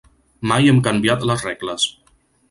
Mai hem canviat les regles.